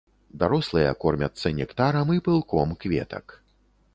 Дарослыя кормяцца нектарам і пылком кветак.